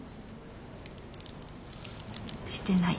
してない。